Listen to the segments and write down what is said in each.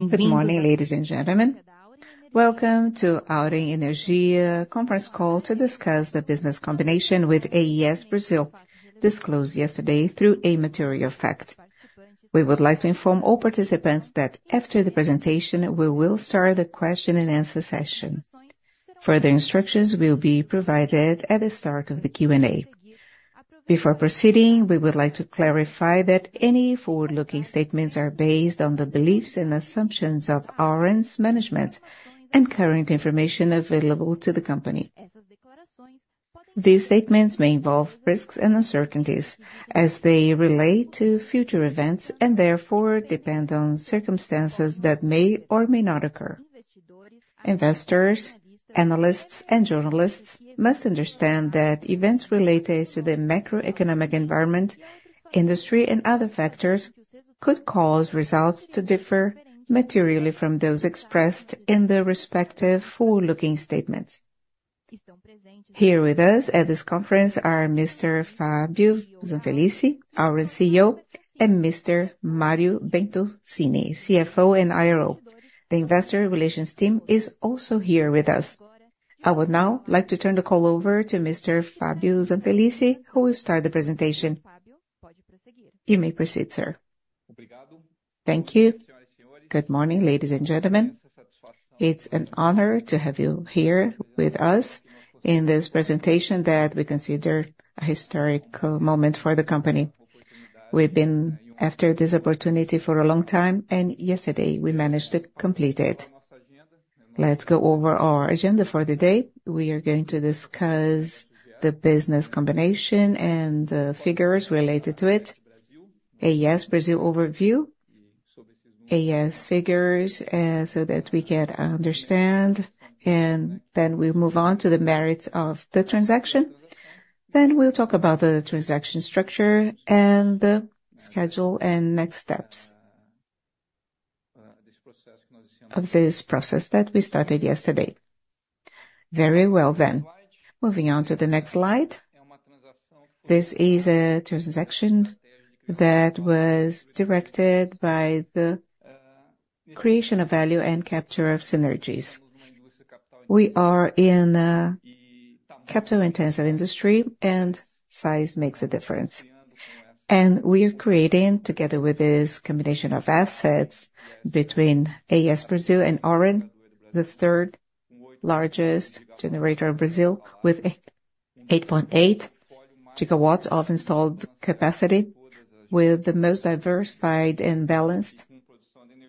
Good morning, ladies and gentlemen. Welcome to Auren Energia conference call to discuss the business combination with AES Brasil, disclosed yesterday through a material fact. We would like to inform all participants that after the presentation, we will start the question-and-answer session. Further instructions will be provided at the start of the Q&A. Before proceeding, we would like to clarify that any forward-looking statements are based on the beliefs and assumptions of Auren's management and current information available to the company. These statements may involve risks and uncertainties as they relate to future events, and therefore depend on circumstances that may or may not occur. Investors, analysts, and journalists must understand that events related to the macroeconomic environment, industry, and other factors could cause results to differ materially from those expressed in the respective forward-looking statements. Here with us at this conference are Mr. Fabio Zanfelice, Auren's CEO, and Mr. Mario Bertoncini, CFO and IRO. The investor relations team is also here with us. I would now like to turn the call over to Mr. Fabio Zanfelice, who will start the presentation. You may proceed, sir. Thank you. Good morning, ladies and gentlemen. It's an honor to have you here with us in this presentation that we consider a historic moment for the company. We've been after this opportunity for a long time, and yesterday we managed to complete it. Let's go over our agenda for the day. We are going to discuss the business combination and the figures related to it, AES Brasil overview, AES figures, so that we can understand, and then we'll move on to the merits of the transaction. Then we'll talk about the transaction structure and the schedule and next steps of this process that we started yesterday. Very well, then. Moving on to the next slide. This is a transaction that was directed by the creation of value and capture of synergies. We are in a capital-intensive industry, and size makes a difference. And we are creating, together with this combination of assets between AES Brasil and Auren, the third largest generator in Brazil, with 8.8 gigawatts of installed capacity, with the most diversified and balanced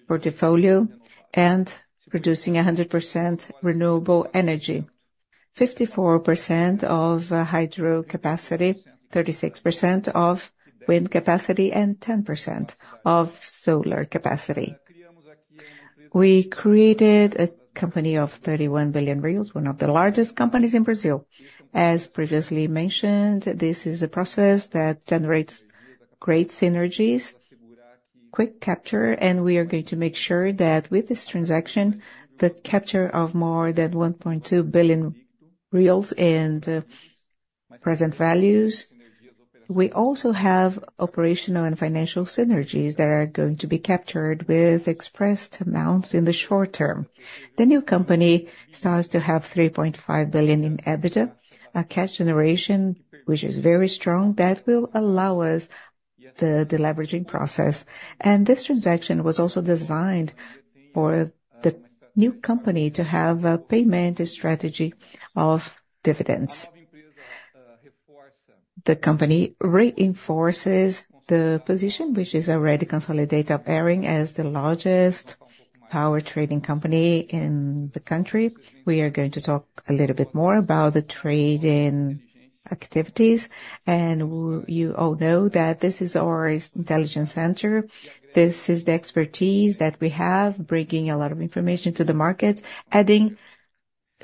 portfolio, and producing 100% renewable energy: 54% of hydro capacity, 36% of wind capacity, and 10% of solar capacity. We created a company of 31 billion reais, one of the largest companies in Brazil. As previously mentioned, this is a process that generates great synergies, quick capture, and we are going to make sure that with this transaction, the capture of more than 1.2 billion reais in present values. We also have operational and financial synergies that are going to be captured with expressed amounts in the short term. The new company starts to have 3.5 billion in EBITDA, a cash generation, which is very strong, that will allow us the deleveraging process. This transaction was also designed for the new company to have a payment strategy of dividends. The company reinforces the position, which is already consolidated, appearing as the largest power trading company in the country. We are going to talk a little bit more about the trading activities, and you all know that this is our intelligence center. This is the expertise that we have, bringing a lot of information to the market, adding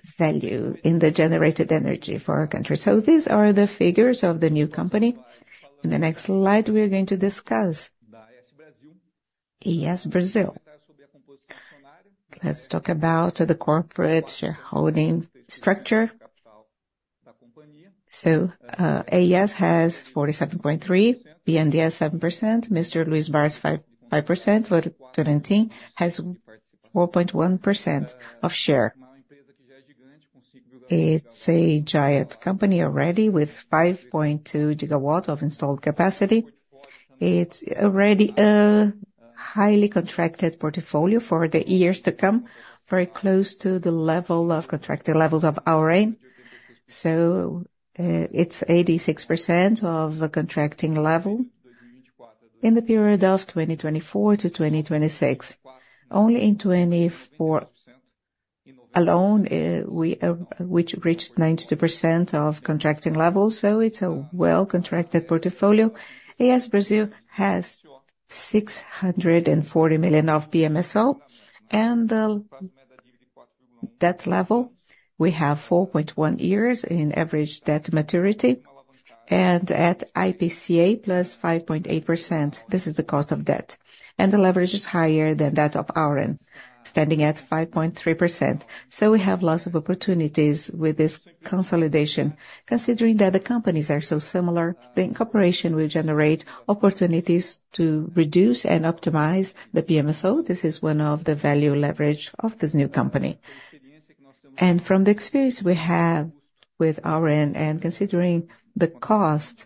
value in the generated energy for our country. These are the figures of the new company. In the next slide, we are going to discuss AES Brasil. Let's talk about the corporate shareholding structure. So, AES has 47.3, BNDES 7%, Mr. Luiz Barsi 5.5%, Vale do Rio Doce has 4.1% of share. It's a giant company already, with 5.2 GW of installed capacity. It's already a highly contracted portfolio for the years to come, very close to the level of contracted levels of Auren. So, it's 86% of the contracting level in the period of 2024-2026. Only in 2024 alone, we, which reached 92% of contracting levels, so it's a well-contracted portfolio. AES Brasil has 640 million of PMSO. The debt level, we have 4.1 years in average debt maturity, and at IPCA plus 5.8%, this is the cost of debt, and the leverage is higher than that of Auren, standing at 5.3%. We have lots of opportunities with this consolidation. Considering that the companies are so similar, the incorporation will generate opportunities to reduce and optimize the PMSO. This is one of the value leverage of this new company. From the experience we have with Auren, and considering the cost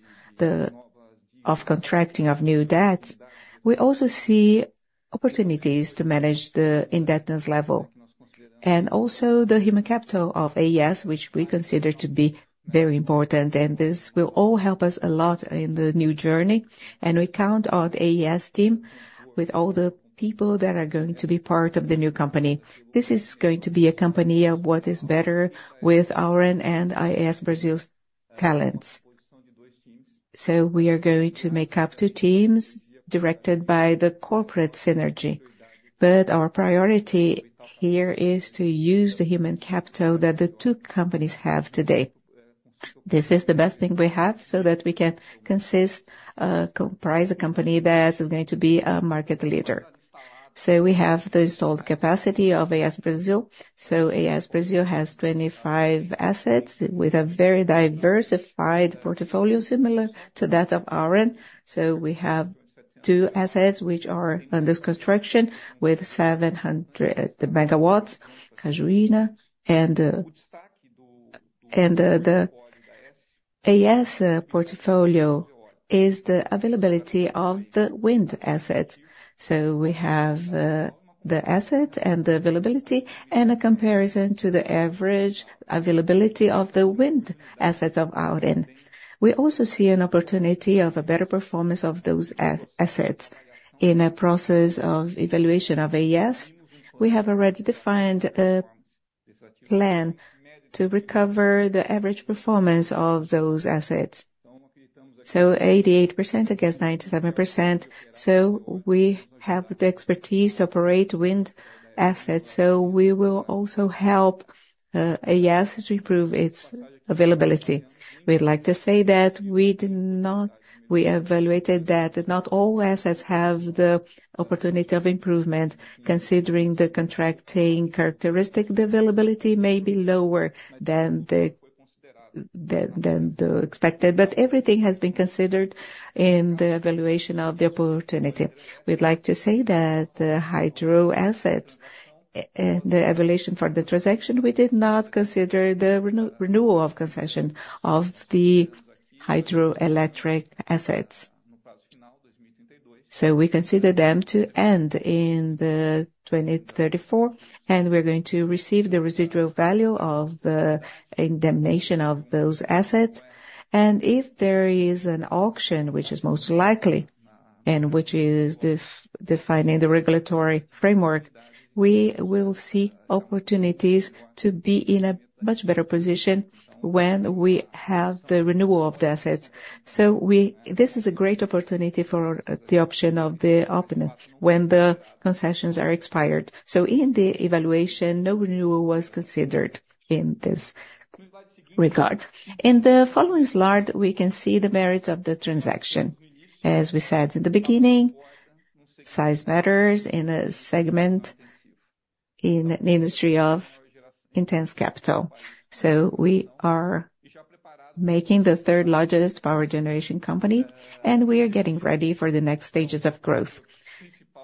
of contracting new debts, we also see opportunities to manage the indebtedness level and also the human capital of AES, which we consider to be very important. And this will all help us a lot in the new journey, and we count on the AES Brasil team with all the people that are going to be part of the new company. This is going to be a company of what is better with Auren and AES Brasil's talents. So we are going to make up two teams directed by the corporate synergy. But our priority here is to use the human capital that the two companies have today. This is the best thing we have, so that we can consist, comprise a company that is going to be a market leader. So we have the installed capacity of AES Brasil. So AES Brasil has 25 assets with a very diversified portfolio, similar to that of Auren. So we have two assets which are under construction with 700 MW, Cajuína. The AES portfolio is the availability of the wind asset. So we have the asset and the availability, and a comparison to the average availability of the wind assets of Auren. We also see an opportunity of a better performance of those assets. In a process of evaluation of AES, we have already defined a plan to recover the average performance of those assets. So 88% against 97%, so we have the expertise to operate wind assets, so we will also help AES to improve its availability. We'd like to say that we did not, we evaluated that not all assets have the opportunity of improvement, considering the contracting characteristic, the availability may be lower than the expected. But everything has been considered in the evaluation of the opportunity. We'd like to say that the hydro assets in the evaluation for the transaction, we did not consider the renewal of concession of the hydroelectric assets. So we consider them to end in 2034, and we're going to receive the residual value of the indemnification of those assets. And if there is an auction, which is most likely, and which is defined in the regulatory framework, we will see opportunities to be in a much better position when we have the renewal of the assets. So this is a great opportunity for the option of the opponent, when the concessions are expired. So in the evaluation, no renewal was considered in this regard. In the following slide, we can see the merits of the transaction. As we said in the beginning, size matters in a segment, in an industry of intense capital. So we are making the third largest power generation company, and we are getting ready for the next stages of growth.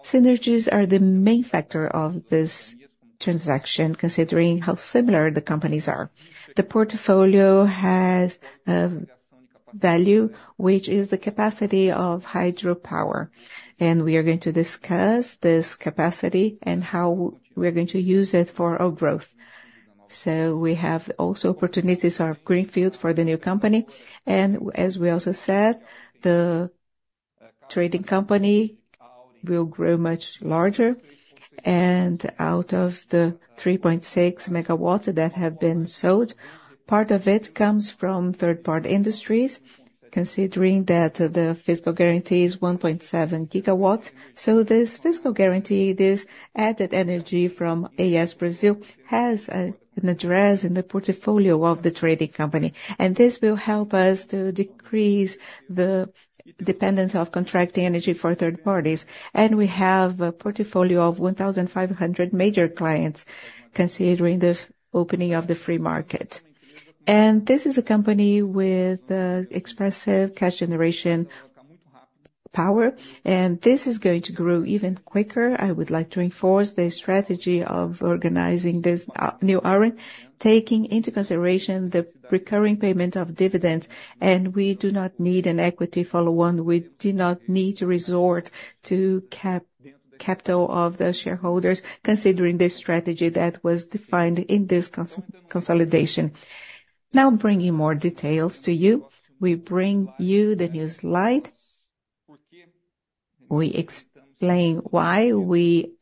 Synergies are the main factor of this transaction, considering how similar the companies are. The portfolio has value, which is the capacity of hydropower, and we are going to discuss this capacity and how we're going to use it for our growth. So we have also opportunities of greenfields for the new company, and as we also said, the trading company will grow much larger. And out of the 3.6 megawatt that have been sold, part of it comes from third-party industries, considering that the physical guarantee is 1.7 gigawatts. So this physical guarantee, this added energy from AES Brasil, has an address in the portfolio of the trading company. This will help us to decrease the dependence of contracting energy for third parties. We have a portfolio of 1,500 major clients considering the opening of the free market. This is a company with expressive cash generation power, and this is going to grow even quicker. I would like to reinforce the strategy of organizing this new Auren, taking into consideration the recurring payment of dividends, and we do not need an equity follow-on. We do not need to resort to capital of the shareholders, considering the strategy that was defined in this consolidation. Now bringing more details to you, we bring you the new slide. We explain why we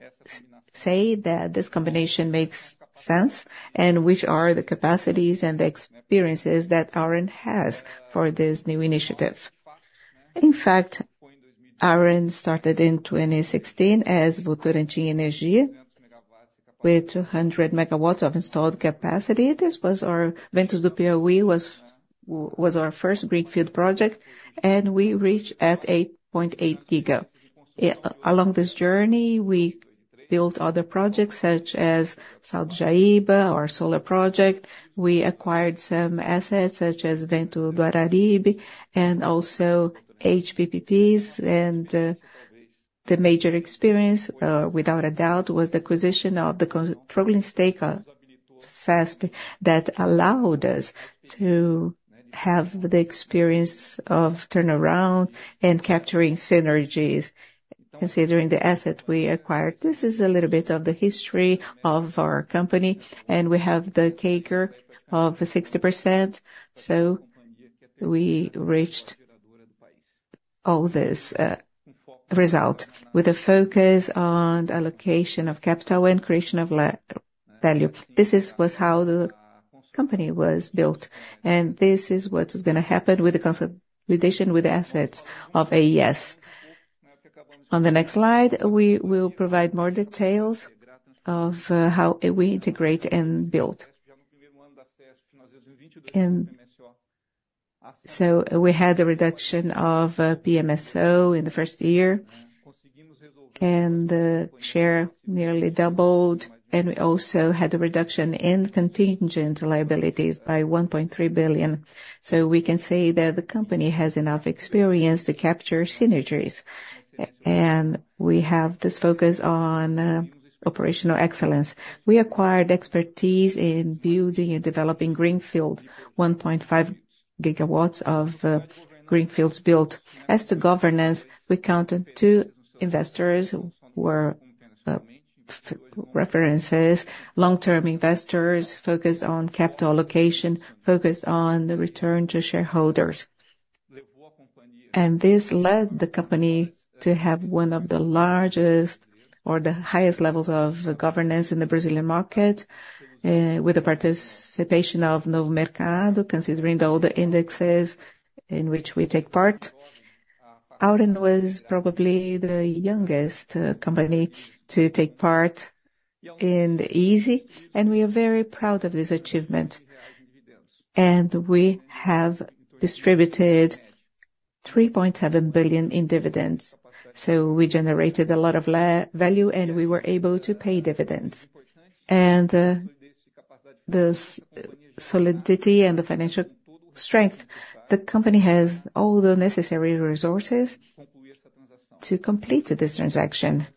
say that this combination makes sense, and which are the capacities and the experiences that Auren has for this new initiative. In fact, Auren started in 2016 as Votorantim Energia, with 200 MW of installed capacity. This was our Ventos do Piauí, our first greenfield project, and we reached at 8.8 GW. Along this journey, we built other projects such as Sol do Jaíba, our solar project. We acquired some assets, such as Ventos do Araripe, and also HPPs. The major experience, without a doubt, was the acquisition of the controlling stake, CESP, that allowed us to have the experience of turnaround and capturing synergies, considering the asset we acquired. This is a little bit of the history of our company, and we have the CAGR of 60%. So we reached all this result with a focus on allocation of capital and creation of value. This is, was how the company was built, and this is what is gonna happen with the consolidation with assets of AES. On the next slide, we will provide more details of how we integrate and build. And so we had a reduction of PMSO in the first year, and the share nearly doubled, and we also had a reduction in contingent liabilities by 1.3 billion. So we can say that the company has enough experience to capture synergies, and we have this focus on operational excellence. We acquired expertise in building and developing greenfield, 1.5 gigawatts of greenfields built. As to governance, we counted two investors who were references, long-term investors, focused on capital allocation, focused on the return to shareholders. This led the company to have one of the largest or the highest levels of governance in the Brazilian market, with the participation of Novo Mercado, considering all the indexes in which we take part. Auren was probably the youngest company to take part in the ISE, and we are very proud of this achievement. We have distributed 3.7 billion in dividends, so we generated a lot of value, and we were able to pay dividends. This solidity and the financial strength, the company has all the necessary resources to complete this transaction.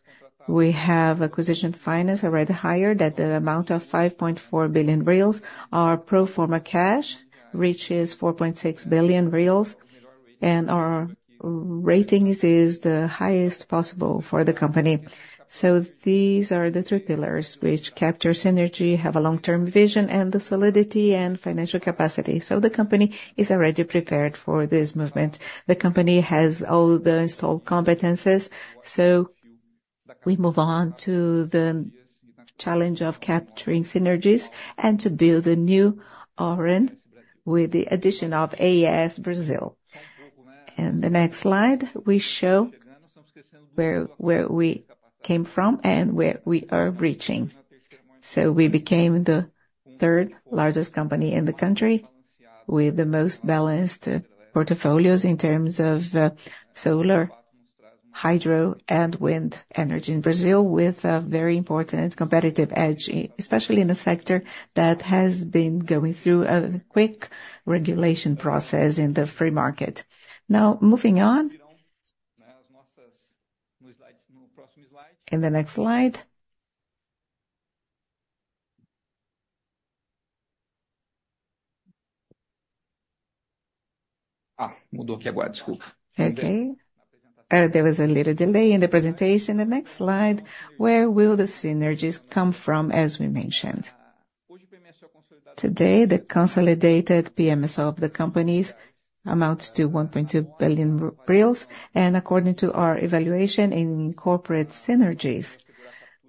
We have acquisition finance already hired at the amount of 5.4 billion reais. Our pro forma cash reaches 4.6 billion reais, and our ratings is the highest possible for the company. So these are the three pillars which capture synergy, have a long-term vision, and the solidity and financial capacity. So the company is already prepared for this movement. The company has all the installed competencies, so we move on to the challenge of capturing synergies and to build a new Auren with the addition of AES Brasil. In the next slide, we show where we came from and where we are reaching. So we became the third largest company in the country, with the most balanced portfolios in terms of solar, hydro, and wind energy in Brazil, with a very important competitive edge, especially in a sector that has been going through a quick regulation process in the free market. Now, moving on. In the next slide. Okay. There was a little delay in the presentation. The next slide, where will the synergies come from, as we mentioned? Today, the consolidated PMSO of the companies amounts to 1.2 billion reais, and according to our evaluation in corporate synergies,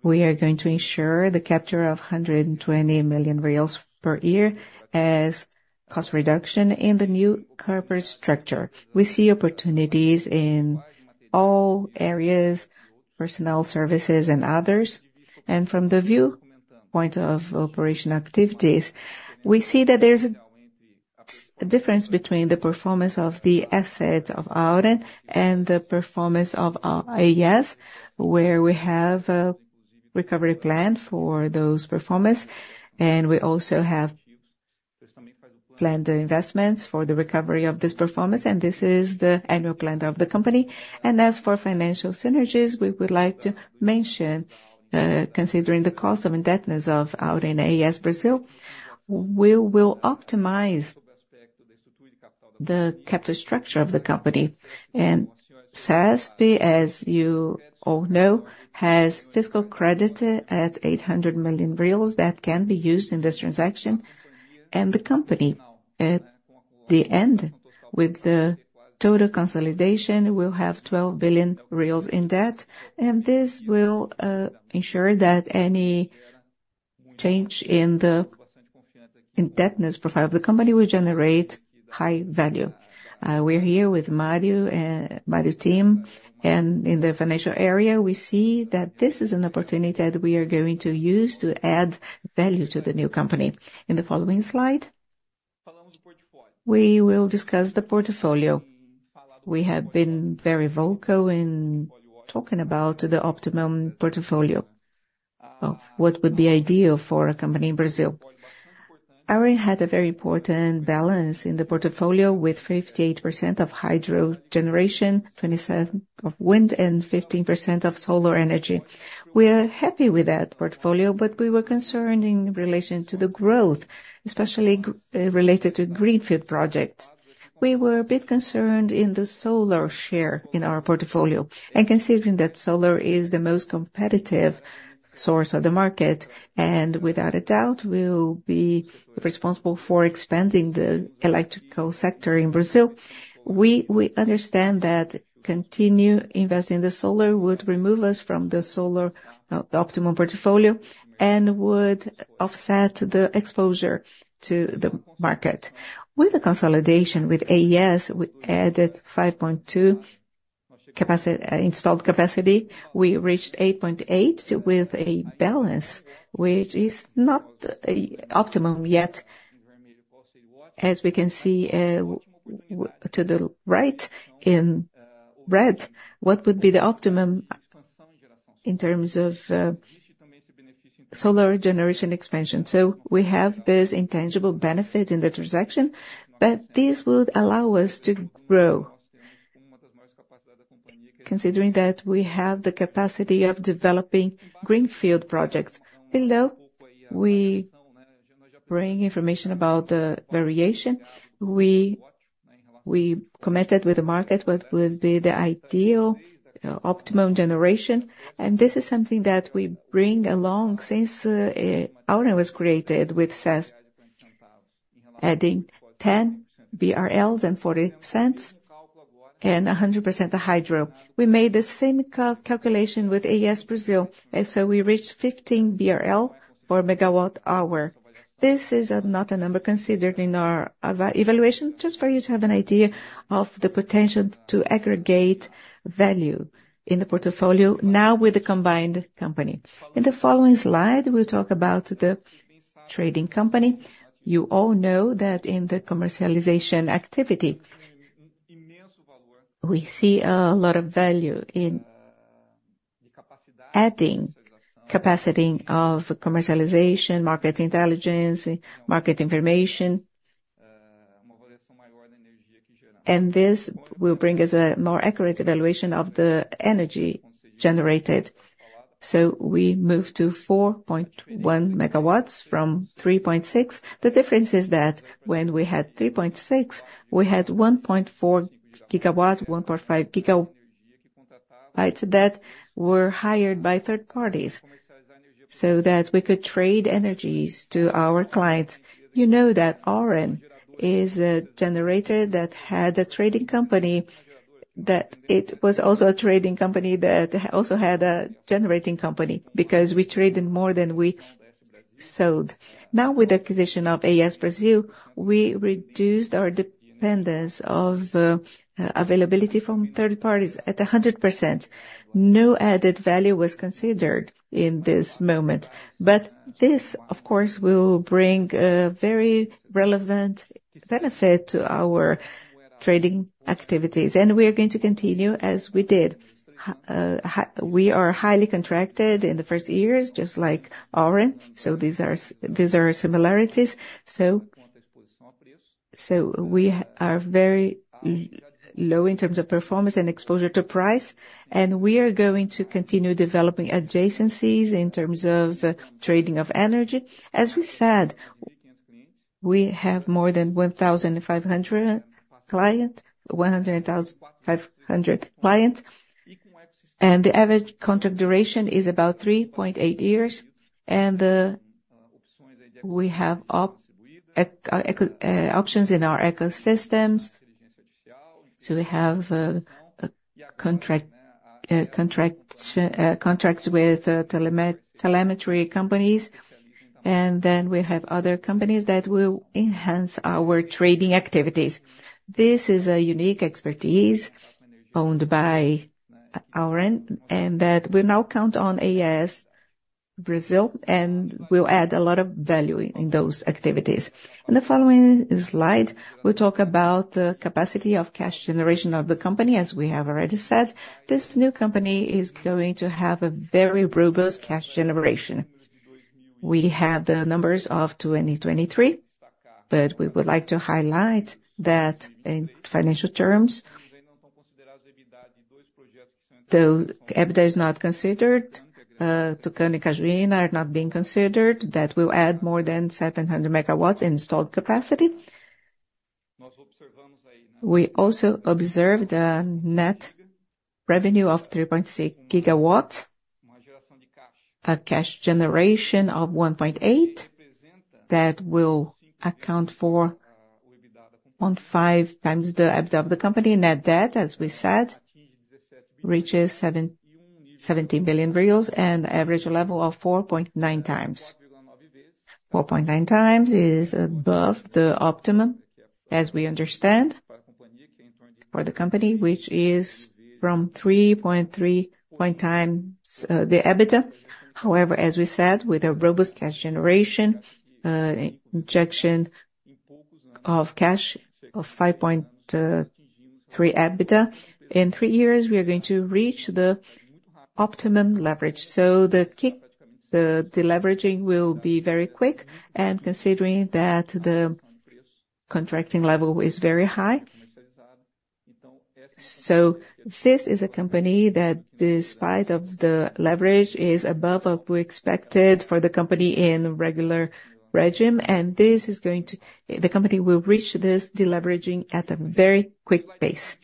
we are going to ensure the capture of 120 million reais per year as cost reduction in the new corporate structure. We see opportunities in all areas, personnel, services, and others. From the view point of operation activities, we see that there's a difference between the performance of the assets of Auren and the performance of AES, where we have a recovery plan for those performance, and we also have planned investments for the recovery of this performance, and this is the annual plan of the company. As for financial synergies, we would like to mention, considering the cost of indebtedness of Auren-AES Brasil, we will optimize the capital structure of the company. CESP, as you all know, has fiscal credit at 800 million reais that can be used in this transaction, and the company, at the end, with the total consolidation, will have 12 billion reais in debt, and this will ensure that any change in the indebtedness profile of the company will generate high value. We're here with Mario and Mario's team, and in the financial area, we see that this is an opportunity that we are going to use to add value to the new company. In the following slide?... We will discuss the portfolio. We have been very vocal in talking about the optimum portfolio of what would be ideal for a company in Brazil. Already had a very important balance in the portfolio, with 58% of hydro generation, 27 of wind, and 15% of solar energy. We are happy with that portfolio, but we were concerned in relation to the growth, especially related to greenfield projects. We were a bit concerned in the solar share in our portfolio, and considering that solar is the most competitive source of the market, and without a doubt, will be responsible for expanding the electrical sector in Brazil. We understand that continue investing in the solar would remove us from the solar, the optimum portfolio, and would offset the exposure to the market. With the consolidation with AES, we added 5.2 installed capacity. We reached 8.8, with a balance which is not a optimum yet. As we can see, to the right, in red, what would be the optimum in terms of, solar generation expansion? So we have this intangible benefit in the transaction, but this would allow us to grow, considering that we have the capacity of developing greenfield projects. Below, we bring information about the variation. We committed with the market what will be the ideal optimum generation, and this is something that we bring along since Auren was created, with CESP adding 10.40 BRL, and 100% of hydro. We made the same calculation with AES Brasil, and so we reached 15 BRL per megawatt hour. This is not a number considered in our evaluation, just for you to have an idea of the potential to aggregate value in the portfolio, now with the combined company. In the following slide, we'll talk about the trading company. You all know that in the commercialization activity, we see a lot of value in adding capacity of commercialization, market intelligence, market information. And this will bring us a more accurate evaluation of the energy generated. So we moved to 4.1 megawatts from 3.6. The difference is that when we had 3.6, we had 1.4 gigawatt, 1.5 giga, right, that were hired by third parties, so that we could trade energies to our clients. You know that Auren is a generator that had a trading company, that it was also a trading company that also had a generating company, because we traded more than we sold. Now, with the acquisition of AES Brasil, we reduced our dependence of availability from third parties at 100%. No added value was considered in this moment, but this, of course, will bring a very relevant benefit to our trading activities, and we are going to continue as we did. We are highly contracted in the first years, just like Auren, so these are similarities. So, we are very low in terms of performance and exposure to price, and we are going to continue developing adjacencies in terms of trading of energy. As we said, we have more than 1,500 clients, 1,500 clients, and the average contract duration is about 3.8 years, and we have options in our ecosystems, so we have contracts with telemetry companies, and then we have other companies that will enhance our trading activities. This is a unique expertise owned by Auren, and that we now count on AES Brasil, and will add a lot of value in those activities. In the following slide, we'll talk about the capacity of cash generation of the company. As we have already said, this new company is going to have a very robust cash generation. We have the numbers of 2023, but we would like to highlight that in financial terms, the EBITDA is not considered, Tucano and Cajuína are not being considered. That will add more than 700 MW installed capacity. We also observed a net revenue of 3.6 GW, a cash generation of 1.8, that will account for on 5 times the EBITDA of the company. Net debt, as we said, reaches 770 billion and average level of 4.9 times. 4.9x is above the optimum, as we understand for the company, which is from 3.3x the EBITDA. However, as we said, with a robust cash generation, injection of cash of 5.3x EBITDA, in three years, we are going to reach the optimum leverage. So the, the deleveraging will be very quick, and considering that the contracting level is very high. So this is a company that, despite of the leverage, is above what we expected for the company in regular regime, and this is going to- the company will reach this deleveraging at a very quick pace.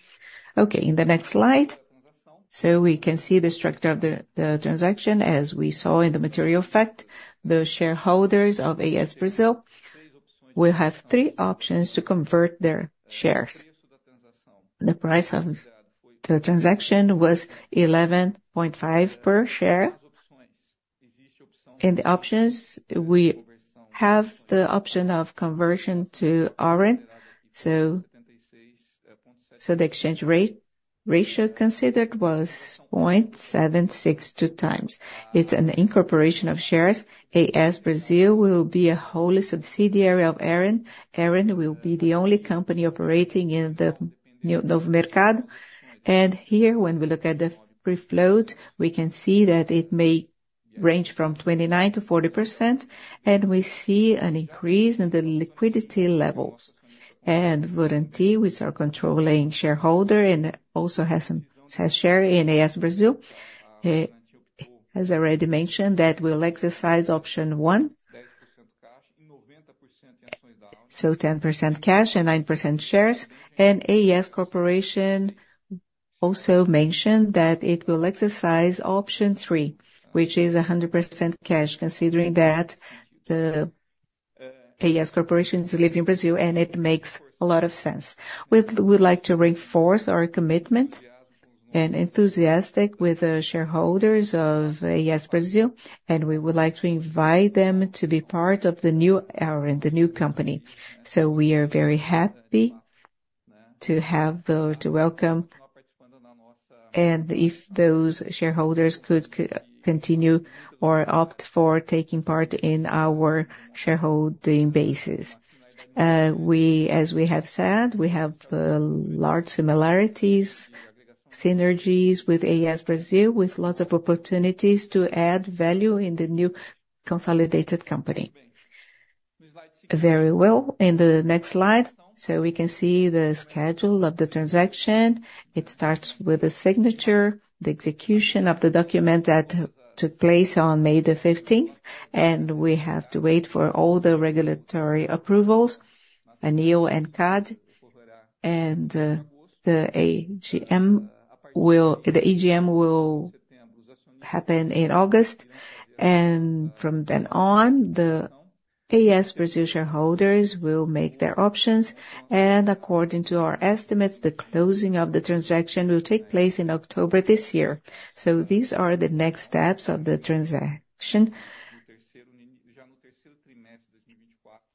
Okay, in the next slide. So we can see the structure of the, the transaction. As we saw in the material fact, the shareholders of AES Brasil will have three options to convert their shares. The price of the transaction was 11.5 per share. In the options, we have the option of conversion to Auren, so the exchange ratio considered was 0.762 times. It's an incorporation of shares. AES Brasil will be a wholly subsidiary of Auren. Auren will be the only company operating in the Novo Mercado. Here, when we look at the pre-float, we can see that it may range from 29%-40%, and we see an increase in the liquidity levels. Votorantim, which is controlling shareholder and also has shares in AES Brasil, as I already mentioned, will exercise option one. So 10% cash and 90% shares. AES Corporation also mentioned that it will exercise option three, which is 100% cash, considering that the AES Corporation is leaving Brazil, and it makes a lot of sense. We would like to reinforce our commitment and enthusiasm with the shareholders of AES Brasil, and we would like to invite them to be part of the new era, in the new company. We are very happy to welcome, and if those shareholders could continue or opt for taking part in our shareholding basis. We, as we have said, have large similarities, synergies with AES Brasil, with lots of opportunities to add value in the new consolidated company. Very well. In the next slide, so we can see the schedule of the transaction. It starts with the signature, the execution of the document that took place on May the fifteenth, and we have to wait for all the regulatory approvals, Aneel and CADE. The AGM will happen in August, and from then on, the AES Brasil shareholders will make their options, and according to our estimates, the closing of the transaction will take place in October this year. So these are the next steps of the transaction.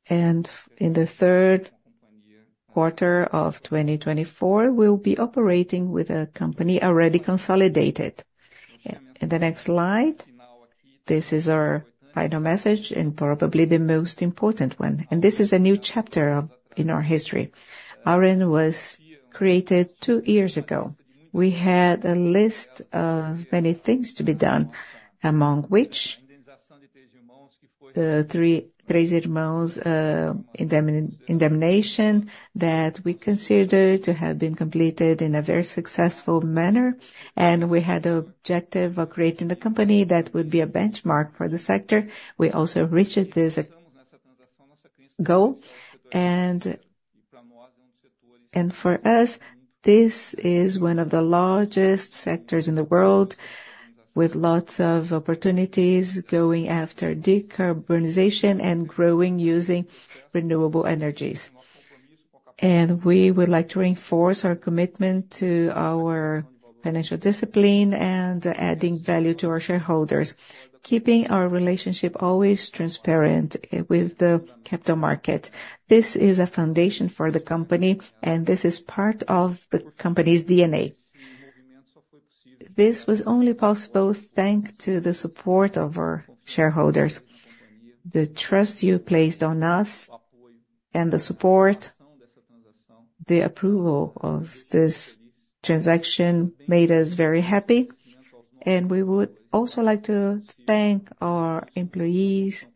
In the third quarter of 2024, we'll be operating with a company already consolidated. In the next slide, this is our final message, and probably the most important one. This is a new chapter of, in our history. Auren was created two years ago. We had a list of many things to be done, among which, the Três Irmãos indemnification that we considered to have been completed in a very successful manner, and we had an objective of creating a company that would be a benchmark for the sector. We also reached this goal. For us, this is one of the largest sectors in the world, with lots of opportunities going after decarbonization and growing using renewable energies. We would like to reinforce our commitment to our financial discipline and adding value to our shareholders, keeping our relationship always transparent with the capital market. This is a foundation for the company, and this is part of the company's DNA. This was only possible thanks to the support of our shareholders. The trust you placed on us and the support, the approval of this transaction made us very happy, and we would also like to thank our employees.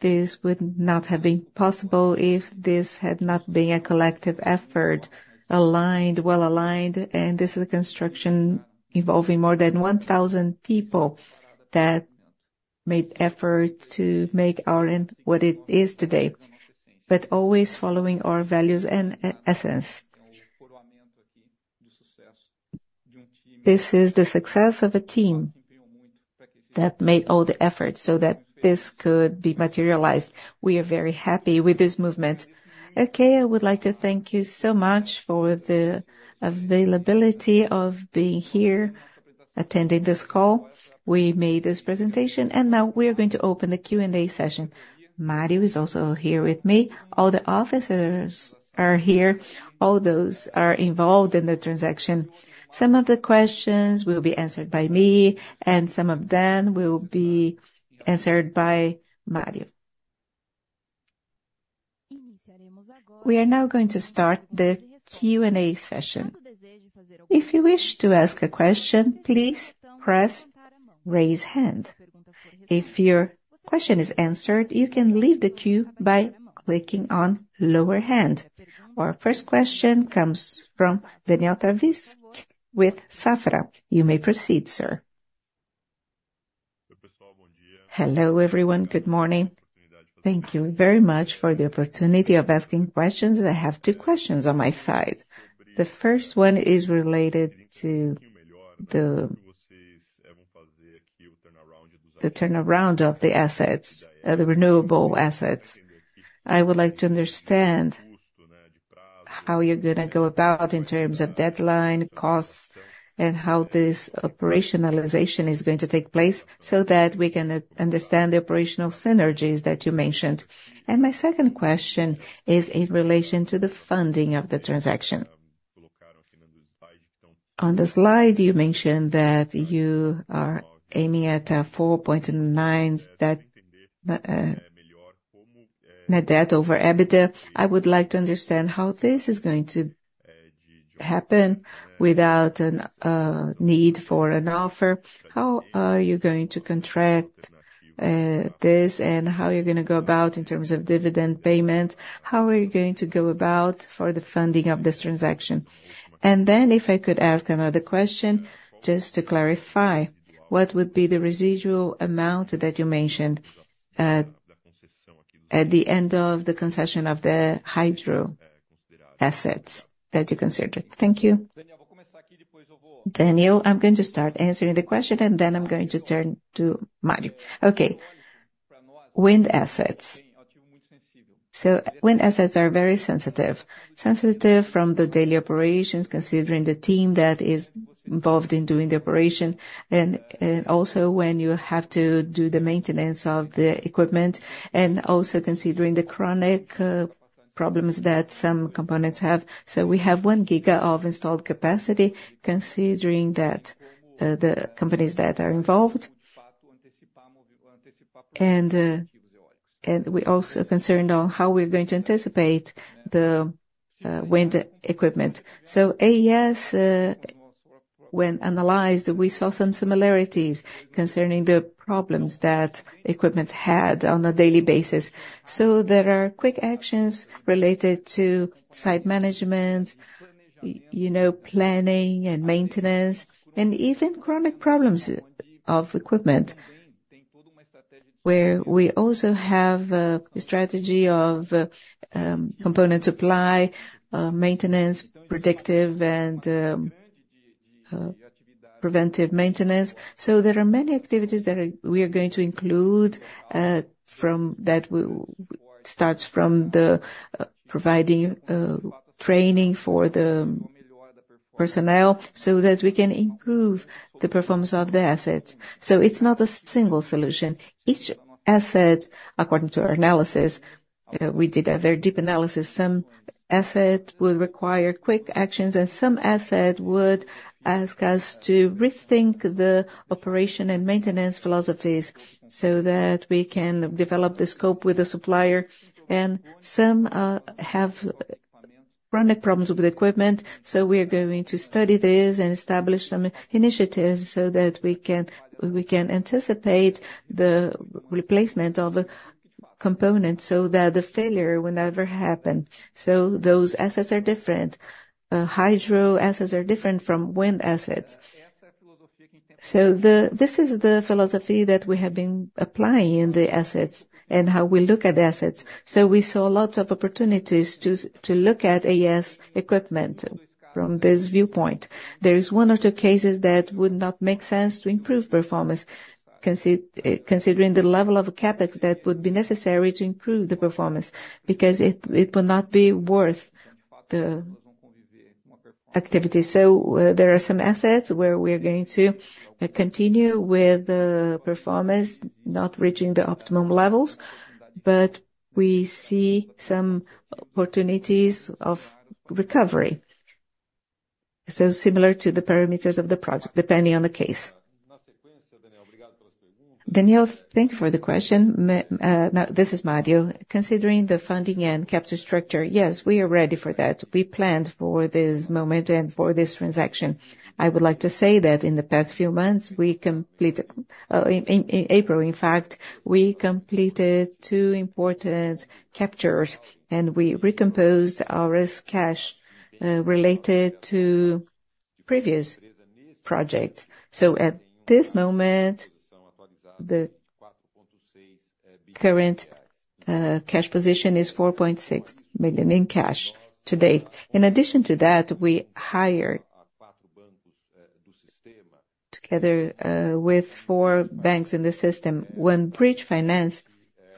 This would not have been possible if this had not been a collective effort, aligned, well aligned, and this is a construction involving more than 1,000 people that made effort to make Auren what it is today, but always following our values and essence. This is the success of a team that made all the efforts so that this could be materialized. We are very happy with this movement. Okay, I would like to thank you so much for the availability of being here, attending this call. We made this presentation, and now we're going to open the Q&A session. Mario is also here with me. All the officers are here, all those are involved in the transaction. Some of the questions will be answered by me, and some of them will be answered by Mario. We are now going to start the Q&A session. If you wish to ask a question, please press Raise Hand. If your question is answered, you can leave the queue by clicking on Lower Hand. Our first question comes from Daniel Travis with Safra. You may proceed, sir. Hello, everyone. Good morning. Thank you very much for the opportunity of asking questions. I have two questions on my side. The first one is related to the turnaround of the assets, the renewable assets. I would like to understand how you're gonna go about in terms of deadline, costs, and how this operationalization is going to take place, so that we can understand the operational synergies that you mentioned. My second question is in relation to the funding of the transaction. On the slide, you mentioned that you are aiming at 4.9, that net debt over EBITDA. I would like to understand how this is going to happen without a need for an offer. How are you going to contract this, and how you're gonna go about in terms of dividend payments? How are you going to go about for the funding of this transaction? And then, if I could ask another question, just to clarify, what would be the residual amount that you mentioned at the end of the concession of the hydro assets that you considered? Thank you. Daniel, I'm going to start answering the question, and then I'm going to turn to Mario. Okay. Wind assets. So wind assets are very sensitive. Sensitive from the daily operations, considering the team that is involved in doing the operation, and also when you have to do the maintenance of the equipment, and also considering the chronic problems that some components have. So we have 1 giga of installed capacity, considering that, the companies that are involved. And, and we're also concerned on how we're going to anticipate the wind equipment. So AES, when analyzed, we saw some similarities concerning the problems that equipment had on a daily basis. So there are quick actions related to site management, you know, planning and maintenance, and even chronic problems of equipment, where we also have the strategy of component supply, maintenance, predictive, and preventive maintenance. So there are many activities that we are going to include, from providing training for the personnel so that we can improve the performance of the assets. So it's not a single solution. Each asset, according to our analysis, we did a very deep analysis, some asset will require quick actions, and some asset would ask us to rethink the operation and maintenance philosophies so that we can develop the scope with the supplier. And some have chronic problems with the equipment, so we are going to study this and establish some initiatives so that we can, we can anticipate the replacement of a component so that the failure will never happen. So those assets are different. Hydro assets are different from wind assets. So this is the philosophy that we have been applying in the assets and how we look at assets. So we saw lots of opportunities to look at AES equipment from this viewpoint. There is one or two cases that would not make sense to improve performance, considering the level of CapEx that would be necessary to improve the performance, because it would not be worth the activity. So there are some assets where we are going to continue with the performance not reaching the optimum levels, but we see some opportunities of recovery, so similar to the parameters of the project, depending on the case. Daniel, thank you for the question. Now, this is Mario. Considering the funding and capital structure, yes, we are ready for that. We planned for this moment and for this transaction. I would like to say that in the past few months, we completed in April, in fact, we completed two important captures, and we recomposed our cash related to previous projects. So at this moment, the current cash position is 4.6 million in cash today. In addition to that, we hired, together with four banks in the system, one bridge finance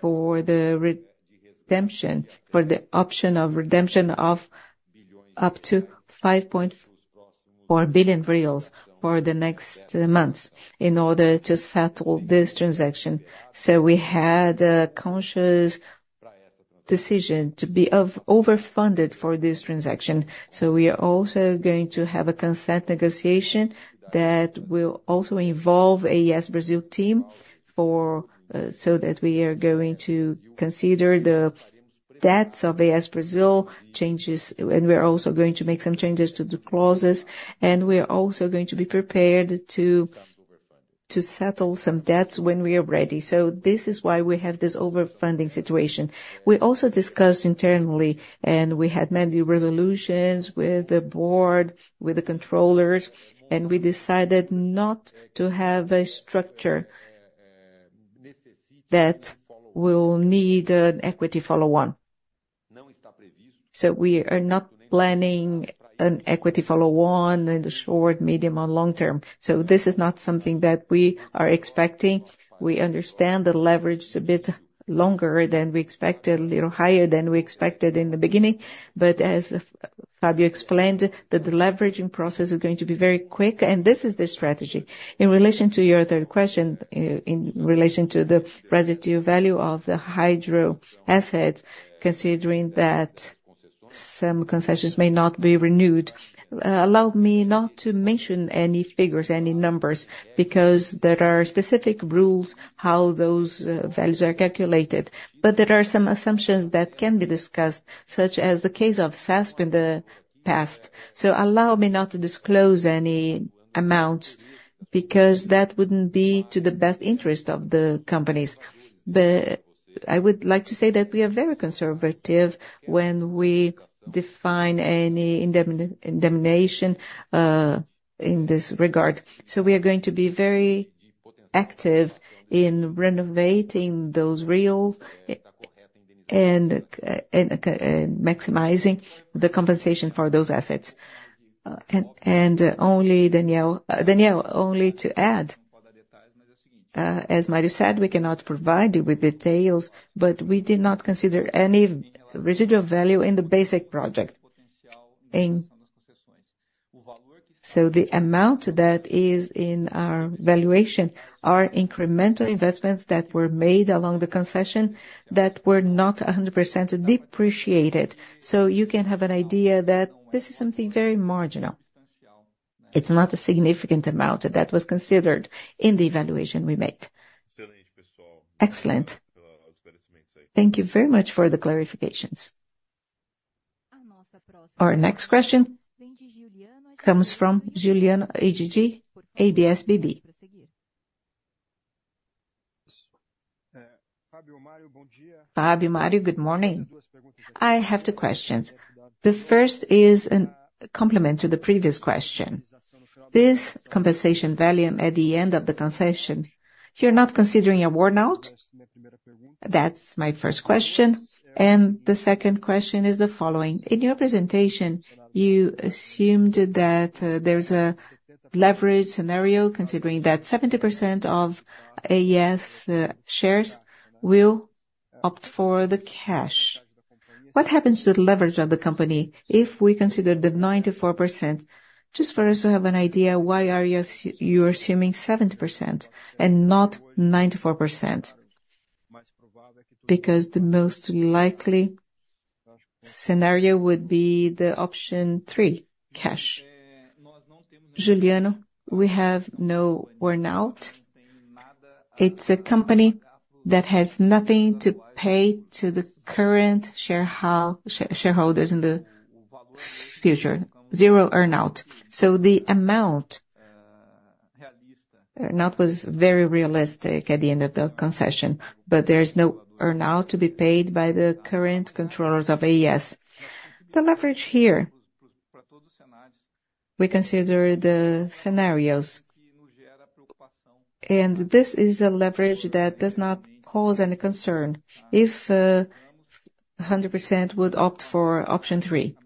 for the redemption, for the option of redemption of up to 5.4 billion reais for the next months in order to settle this transaction. So we had a conscious decision to be of overfunded for this transaction. So we are also going to have a consent negotiation that will also involve AES Brasil team for, so that we are going to consider the debts of AES Brasil changes, and we're also going to make some changes to the clauses, and we're also going to be prepared to settle some debts when we are ready. So this is why we have this over-funding situation. We also discussed internally, and we had many resolutions with the board, with the controllers, and we decided not to have a structure that will need an equity follow-on. So we are not planning an equity follow-on in the short, medium, or long term. So this is not something that we are expecting. We understand the leverage is a bit longer than we expected, little higher than we expected in the beginning, but as Fabio explained, that the leveraging process is going to be very quick, and this is the strategy. In relation to your other question, in relation to the residual value of the hydro assets, considering that some concessions may not be renewed, allow me not to mention any figures, any numbers, because there are specific rules how those values are calculated. But there are some assumptions that can be discussed, such as the case of CESP in the past. So allow me not to disclose any amounts, because that wouldn't be to the best interest of the companies. But I would like to say that we are very conservative when we define any indemnification in this regard. So we are going to be very active in renovating those reals and maximizing the compensation for those assets. And, Daniel, only to add, as Mario said, we cannot provide you with details, but we did not consider any residual value in the basic project. So the amount that is in our valuation are incremental investments that were made along the concession, that were not 100% depreciated. So you can have an idea that this is something very marginal. It's not a significant amount that was considered in the evaluation we made. Excellent. Thank you very much for the clarifications. Our next question comes from Juliano Eiji, UBS BB. Fabio, Mario, good morning. I have two questions. The first is a complement to the previous question. This compensation value at the end of the concession, you're not considering an earn-out? That's my first question. And the second question is the following: in your presentation, you assumed that there's a leverage scenario, considering that 70% of AES shares will opt for the cash. What happens to the leverage of the company if we consider the 94%? Just for us to have an idea, why are you assuming 70% and not 94%? Because the most likely scenario would be the option three, cash. Juliano, we have no earn-out. It's a company that has nothing to pay to the current shareholders in the future. Zero earn-out. So the amount, earn-out was very realistic at the end of the concession, but there is no earn-out to be paid by the current controllers of AES. The leverage here, we consider the scenarios, and this is a leverage that does not cause any concern. If 100% would opt for option three.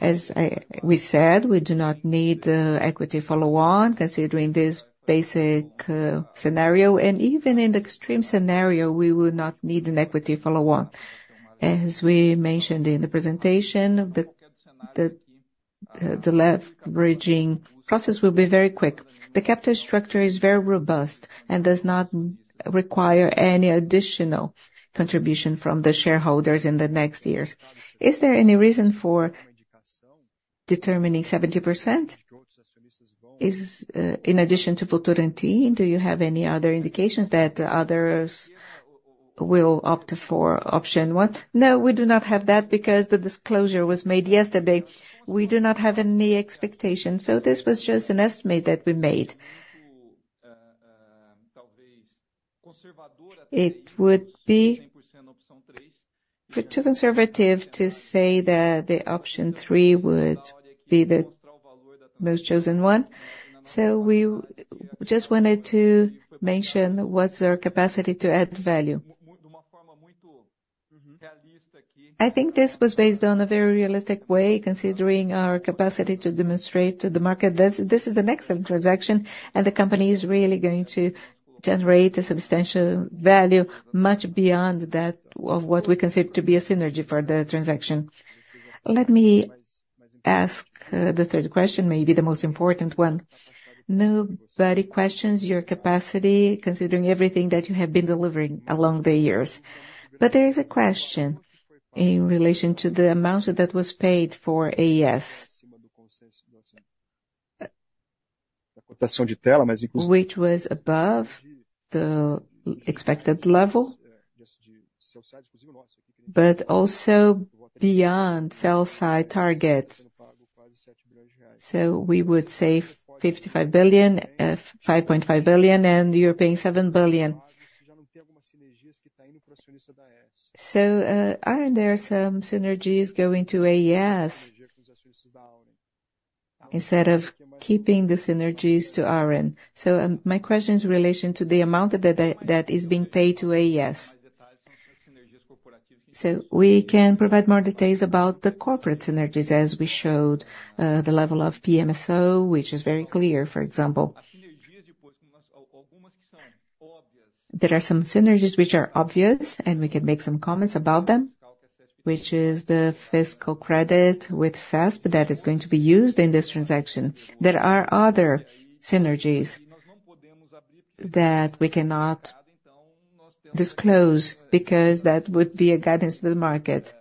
As we said, we do not need equity follow-on, considering this basic scenario, and even in the extreme scenario, we would not need an equity follow-on. As we mentioned in the presentation, the leveraging process will be very quick. The capital structure is very robust and does not require any additional contribution from the shareholders in the next years. Is there any reason for determining 70%? In addition to Futuro e T, do you have any other indications that others will opt for option one? No, we do not have that because the disclosure was made yesterday. We do not have any expectations, so this was just an estimate that we made. It would be too conservative to say that the option three would be the most chosen one. So we just wanted to mention what's our capacity to add value. I think this was based on a very realistic way, considering our capacity to demonstrate to the market that this is an excellent transaction, and the company is really going to generate a substantial value much beyond that of what we consider to be a synergy for the transaction. Let me ask, the third question, maybe the most important one. Nobody questions your capacity, considering everything that you have been delivering along the years. But there is a question in relation to the amount that was paid for AES, which was above the expected level, but also beyond sell side targets. So we would save 55 billion, 5.5 billion, and you're paying 7 billion. So, aren't there some synergies going to AES, instead of keeping the synergies to RN? So, my question is in relation to the amount that is being paid to AES. So we can provide more details about the corporate synergies, as we showed, the level of PMSO, which is very clear, for example. There are some synergies which are obvious, and we can make some comments about them, which is the fiscal credit with CESP that is going to be used in this transaction. There are other synergies that we cannot disclose, because that would be a guidance to the market.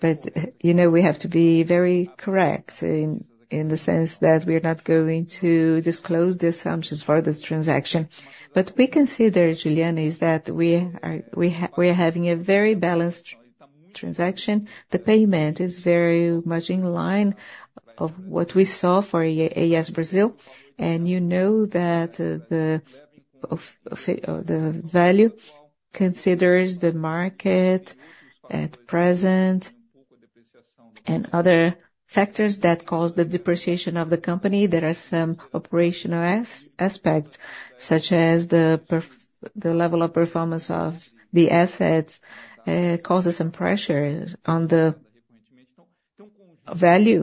But, you know, we have to be very correct in the sense that we are not going to disclose the assumptions for this transaction. But we consider, Juliano, is that we are having a very balanced transaction. The payment is very much in line with what we saw for AES Brasil, and you know that the value considers the market at present, and other factors that cause the depreciation of the company. There are some operational aspects, such as the level of performance of the assets, causes some pressure on the value,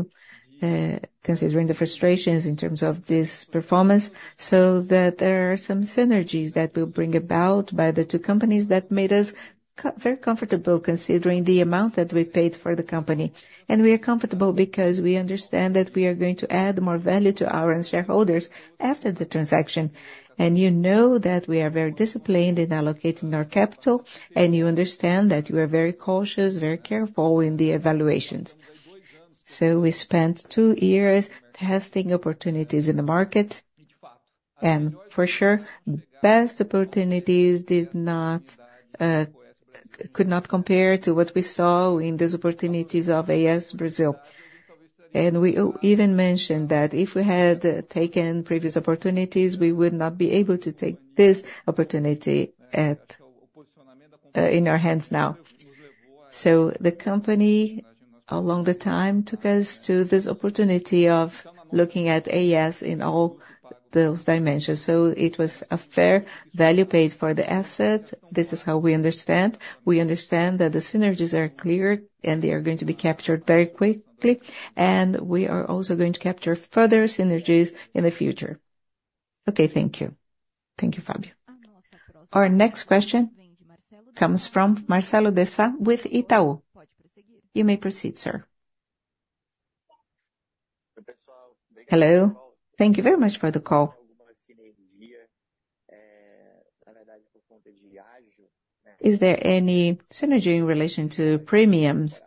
considering the frustrations in terms of this performance, so that there are some synergies that will be brought about by the two companies that made us very comfortable, considering the amount that we paid for the company. We are comfortable because we understand that we are going to add more value to our shareholders after the transaction. You know that we are very disciplined in allocating our capital, and you understand that we are very cautious, very careful in the evaluations. So we spent two years testing opportunities in the market, and for sure, best opportunities did not could not compare to what we saw in these opportunities of AES Brasil. And we even mentioned that if we had taken previous opportunities, we would not be able to take this opportunity at in our hands now. So the company, along the time, took us to this opportunity of looking at AES in all those dimensions. So it was a fair value paid for the asset. This is how we understand. We understand that the synergies are clear, and they are going to be captured very quickly, and we are also going to capture further synergies in the future. Okay, thank you. Thank you, Fabio. Our next question comes from Marcelo de Sa' with Itaú. You may proceed, sir. Hello. Thank you very much for the call. Is there any synergy in relation to premiums,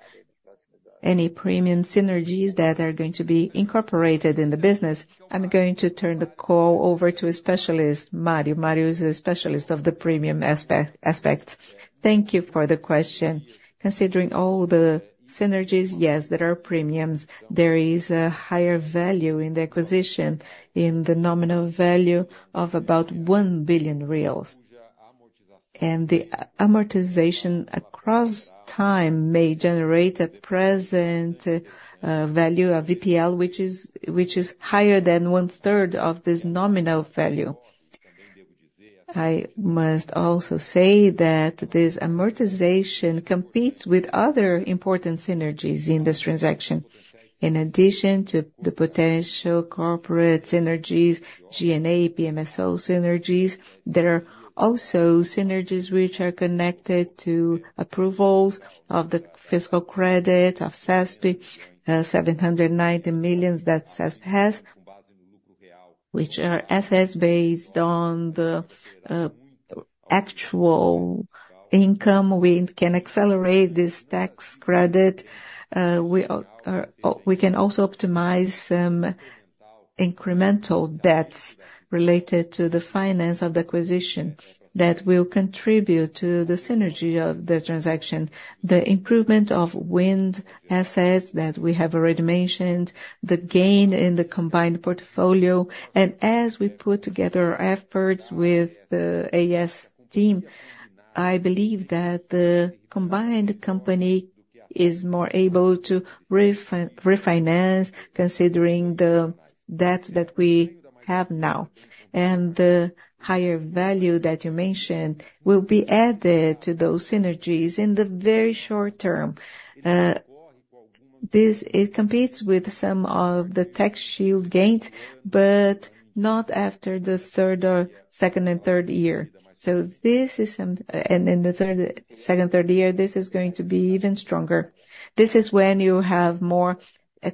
any premium synergies that are going to be incorporated in the business? I'm going to turn the call over to a specialist, Mario. Mario is a specialist of the premium aspects. Thank you for the question. Considering all the synergies, yes, there are premiums. There is a higher value in the acquisition, in the nominal value of about 1 billion reais. And the amortization across time may generate a present value, a VPL, which is higher than one-third of this nominal value. I must also say that this amortization competes with other important synergies in this transaction. In addition to the potential corporate synergies, G&A, PMSO synergies, there are also synergies which are connected to approvals of the fiscal credit of CESP, seven hundred and ninety millions that CESP has, which are assets based on the actual income. We can accelerate this tax credit. We are, we can also optimize some incremental debts related to the finance of the acquisition that will contribute to the synergy of the transaction. The improvement of wind assets that we have already mentioned, the gain in the combined portfolio, and as we put together efforts with the AES team, I believe that the combined company is more able to refinance, considering the debts that we have now. The higher value that you mentioned will be added to those synergies in the very short term. This, it competes with some of the tax shield gains, but not after the third or second and third year. So this is some and in the third, second, third year, this is going to be even stronger. This is when you have more,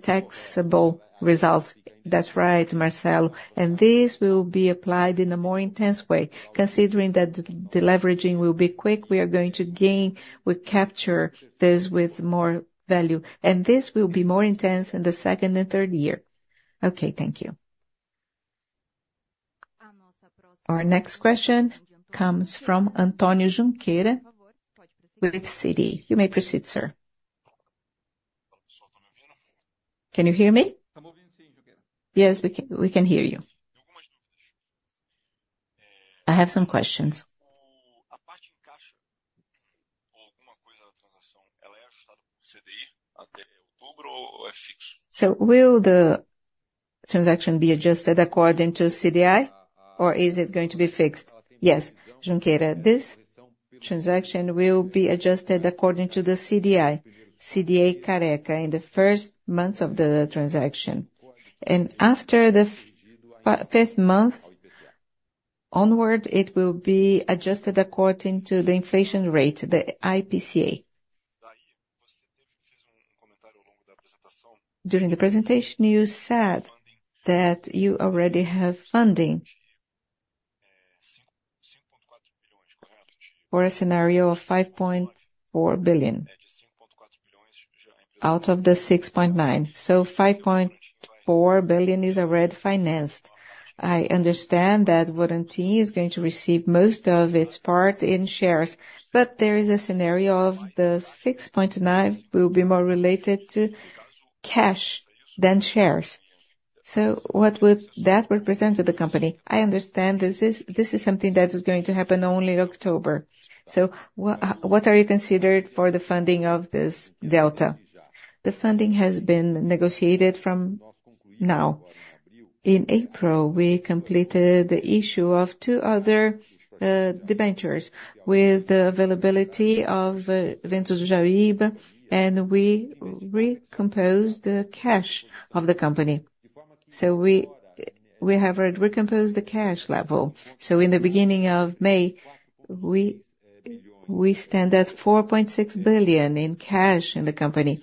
taxable results. That's right, Marcelo, and this will be applied in a more intense way. Considering that the deleveraging will be quick, we are going to gain, we capture this with more value, and this will be more intense in the second and third year. Okay, thank you. Our next question comes from Antonio Junqueira with Citi. You may proceed, sir. Can you hear me? Yes, we can, we can hear you. I have some questions. So will the transaction be adjusted according to CDI, or is it going to be fixed? Yes, Junqueira, this transaction will be adjusted according to the CDI + IPCA in the first months of the transaction. After the fifth month onward, it will be adjusted according to the inflation rate, the IPCA. During the presentation, you said that you already have funding for a scenario of 5.4 billion, out of the 6.9. So 5.4 billion is already financed. I understand that Votorantim is going to receive most of its part in shares, but there is a scenario of the 6.9 will be more related to cash than shares. So what would that represent to the company? I understand this is, this is something that is going to happen only in October. So what are you considering for the funding of this delta? The funding has been negotiated from now. In April, we completed the issue of two other debentures with the availability of Ventos do Jaíba, and we recomposed the cash of the company. So we have already recomposed the cash level. So in the beginning of May, we stand at 4.6 billion in cash in the company.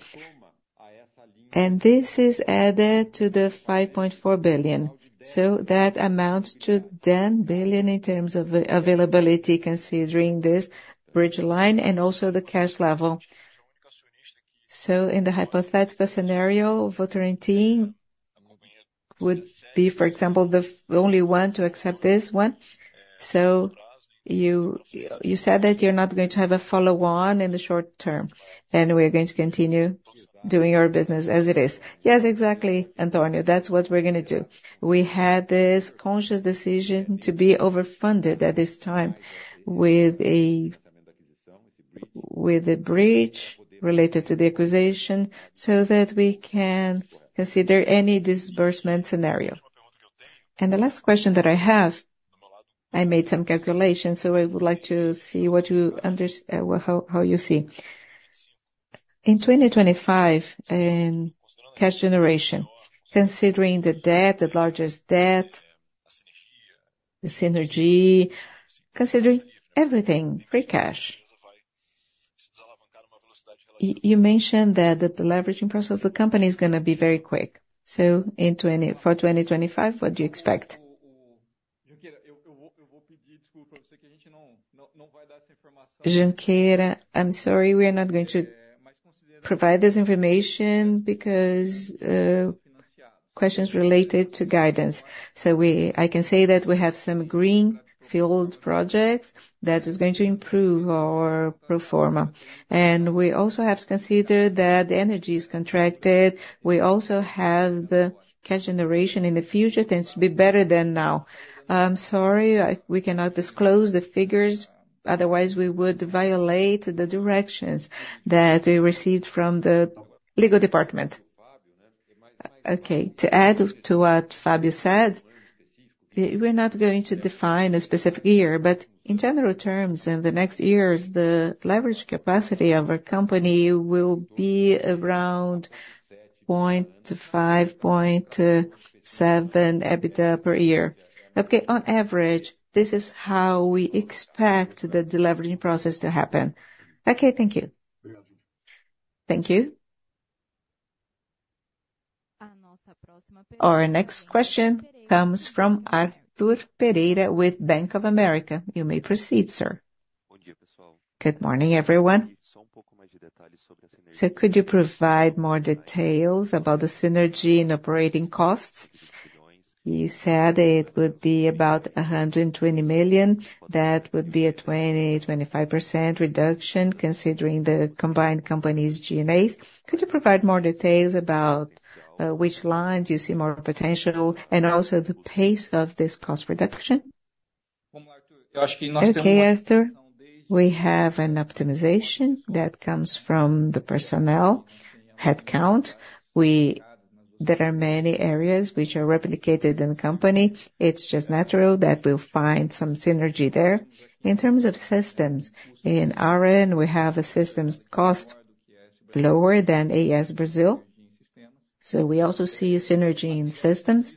And this is added to the 5.4 billion. So that amounts to 10 billion in terms of availability, considering this bridge line and also the cash level. So in the hypothetical scenario, Votorantim would be, for example, the only one to accept this one. So you said that you're not going to have a follow-on in the short term, and we're going to continue doing our business as it is. Yes, exactly, Antonio. That's what we're gonna do. We had this conscious decision to be overfunded at this time with a bridge related to the acquisition, so that we can consider any disbursement scenario. And the last question that I have, I made some calculations, so I would like to see what you unders- well, how you see. In 2025, in cash generation, considering the debt, the largest debt, the synergy, considering everything, free cash, you mentioned that the deleveraging process of the company is gonna be very quick. So in 2025, what do you expect? Junqueira, I'm sorry, we are not going to provide this information because questions related to guidance. So I can say that we have some greenfield projects that is going to improve our pro forma. And we also have to consider that the energy is contracted. We also have the cash generation in the future tends to be better than now. I'm sorry, we cannot disclose the figures, otherwise we would violate the directions that we received from the legal department. Okay, to add to what Fabio said, we're not going to define a specific year, but in general terms, in the next years, the leverage capacity of our company will be around 0.5-0.7 EBITDA per year. Okay, on average, this is how we expect the deleveraging process to happen. Okay, thank you. Thank you. Our next question comes from Arthur Pereira with Bank of America. You may proceed, sir. Good morning, everyone. So could you provide more details about the synergy in operating costs? You said it would be about 120 million. That would be a 20-25% reduction, considering the combined company's GNAs. Could you provide more details about which lines you see more potential and also the pace of this cost reduction? Okay, Arthur, we have an optimization that comes from the personnel headcount. There are many areas which are replicated in the company. It's just natural that we'll find some synergy there. In terms of systems, in RN, we have a systems cost lower than AES Brasil. So we also see synergy in systems,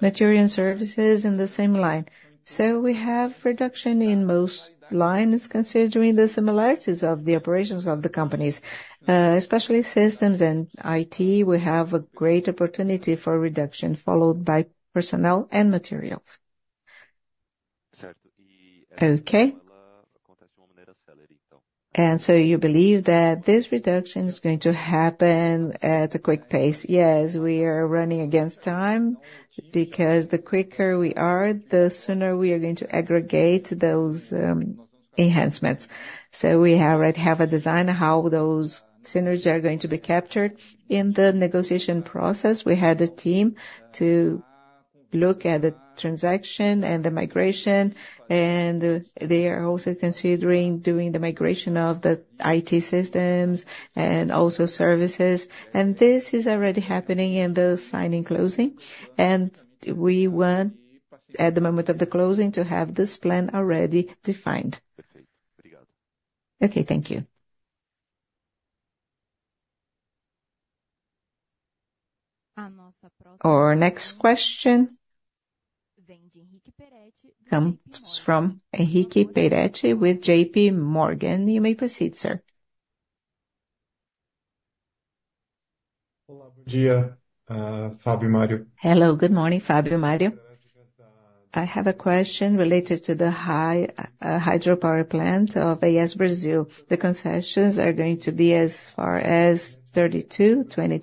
material and services in the same line. So we have reduction in most lines, considering the similarities of the operations of the companies, especially systems and IT, we have a great opportunity for reduction, followed by personnel and materials. Okay. And so you believe that this reduction is going to happen at a quick pace? Yes, we are running against time, because the quicker we are, the sooner we are going to aggregate those enhancements. So we already have a design, how those synergies are going to be captured. In the negotiation process, we had a team to look at the transaction and the migration, and they are also considering doing the migration of the IT systems and also services. And this is already happening in the signing closing, and we want, at the moment of the closing, to have this plan already defined. Okay, thank you. Our next question comes from Enrique Peretti with J.P. Morgan. You may proceed, sir. Hello, good morning, Fabio, Mario. I have a question related to the high hydropower plant of AES Brasil. The concessions are going to be as far as 2032, and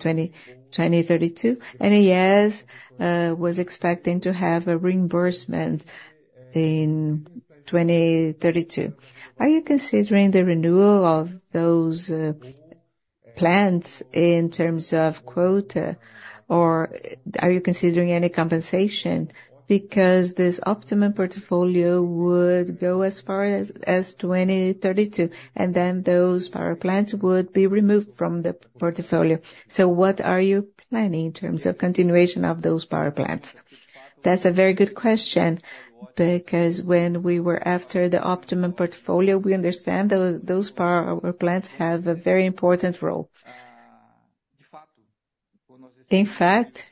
AES was expecting to have a reimbursement in 2032. Are you considering the renewal of those plants in terms of quota, or are you considering any compensation? Because this optimum portfolio would go as far as 2032, and then those power plants would be removed from the portfolio. So what are you planning in terms of continuation of those power plants? That's a very good question, because when we were after the optimum portfolio, we understand those power plants have a very important role. In fact,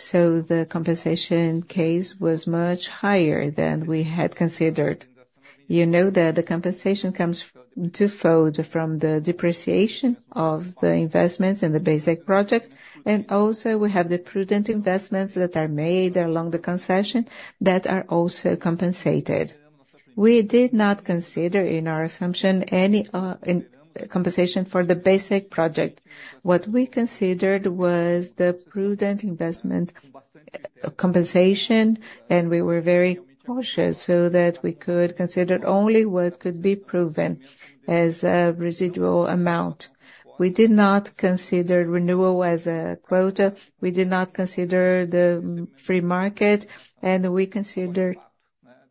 so the compensation case was much higher than we had considered. You know that the compensation comes twofold from the depreciation of the investments in the basic project, and also we have the prudent investments that are made along the concession that are also compensated. We did not consider, in our assumption, any in compensation for the basic project. What we considered was the prudent investment compensation, and we were very cautious so that we could consider only what could be proven as a residual amount. We did not consider renewal as a quota, we did not consider the free market, and we considered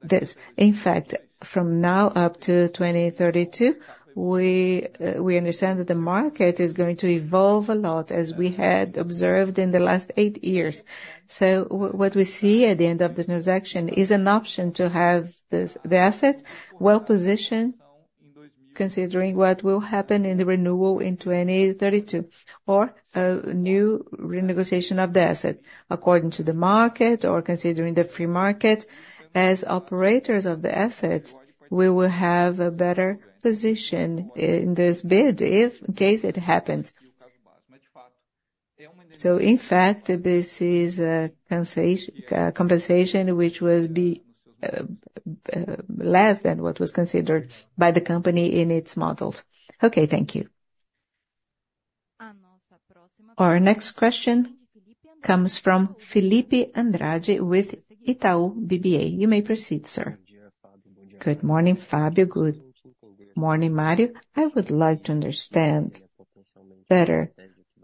this. In fact, from now up to 2032, we understand that the market is going to evolve a lot, as we had observed in the last 8 years. So what we see at the end of the transaction is an option to have this, the asset well-positioned, considering what will happen in the renewal in 2032, or a new renegotiation of the asset. According to the market or considering the free market, as operators of the assets, we will have a better position in this bid if in case it happens. So in fact, this is a compensation which was less than what was considered by the company in its models. Okay, thank you. Our next question comes from Fillipe Andrade with Itaú BBA. You may proceed, sir. Good morning, Fabio. Good morning, Mario. I would like to understand better,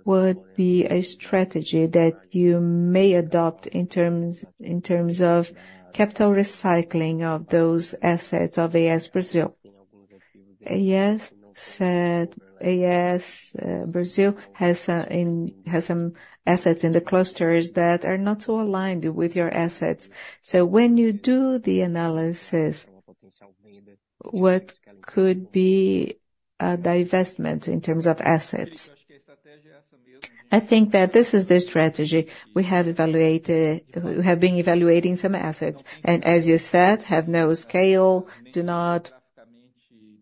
would be a strategy that you may adopt in terms, in terms of capital recycling of those assets of AES Brasil. AES said AES Brazil has some assets in the clusters that are not so aligned with your assets. So when you do the analysis, what could be a divestment in terms of assets? I think that this is the strategy. We have evaluated. We have been evaluating some assets, and as you said, have no scale, do not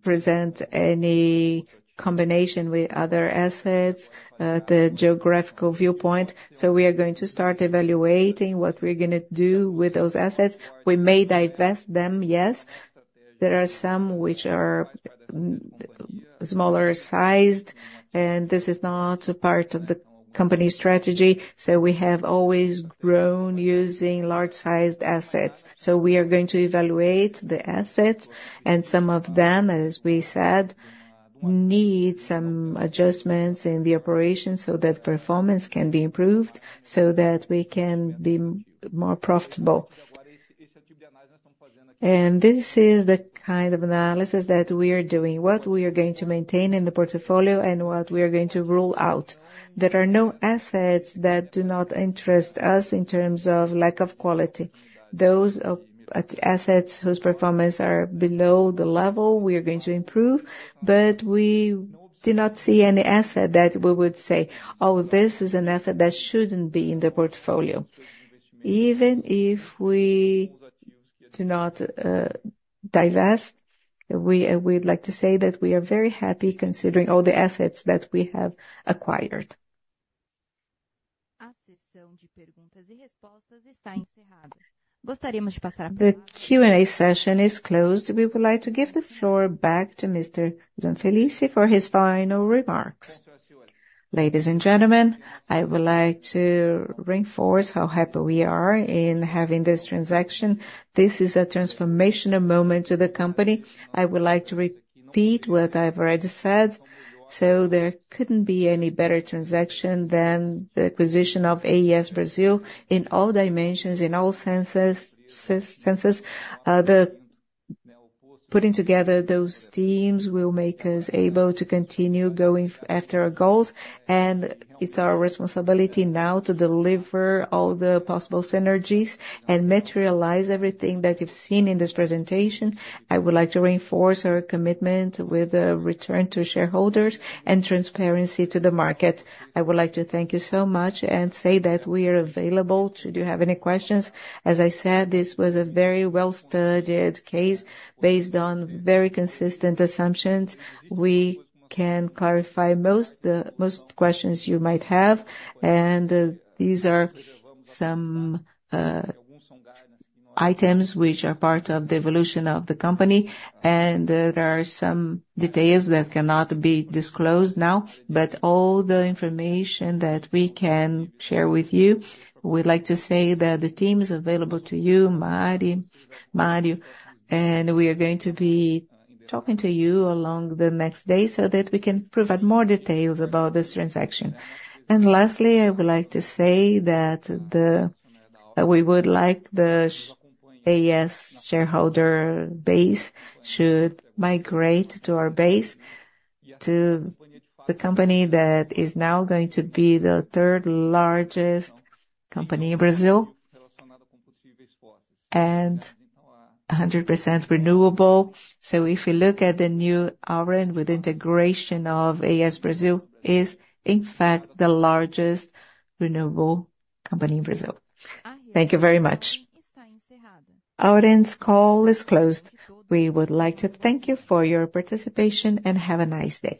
present any combination with other assets, the geographical viewpoint. So we are going to start evaluating what we're gonna do with those assets. We may divest them, yes. There are some which are smaller sized, and this is not a part of the company strategy. So we have always grown using large-sized assets. So we are going to evaluate the assets, and some of them, as we said, need some adjustments in the operation so that performance can be improved, so that we can be more profitable. And this is the kind of analysis that we are doing, what we are going to maintain in the portfolio and what we are going to rule out. There are no assets that do not interest us in terms of lack of quality. Those assets whose performance are below the level, we are going to improve, but we do not see any asset that we would say, "Oh, this is an asset that shouldn't be in the portfolio." Even if we do not divest, we, we'd like to say that we are very happy considering all the assets that we have acquired. The Q&A session is closed. We would like to give the floor back to Mr. Zanfelice for his final remarks. Ladies and gentlemen, I would like to reinforce how happy we are in having this transaction. This is a transformational moment to the company. I would like to repeat what I've already said. So there couldn't be any better transaction than the acquisition of AES Brasil in all dimensions, in all senses. The putting together those teams will make us able to continue going after our goals, and it's our responsibility now to deliver all the possible synergies and materialize everything that you've seen in this presentation. I would like to reinforce our commitment with a return to shareholders and transparency to the market. I would like to thank you so much and say that we are available should you have any questions. As I said, this was a very well-studied case based on very consistent assumptions. We can clarify most questions you might have, and these are some items which are part of the evolution of the company, and there are some details that cannot be disclosed now. But all the information that we can share with you, we'd like to say that the team is available to you, Mari, Mario, and we are going to be talking to you along the next day so that we can provide more details about this transaction. Lastly, I would like to say that we would like the AES shareholder base should migrate to our base, to the company that is now going to be the third largest company in Brazil, and 100% renewable. So if you look at the new Auren with integration of AES Brasil, is in fact the largest renewable company in Brazil. Thank you very much. Audience call is closed. We would like to thank you for your participation, and have a nice day.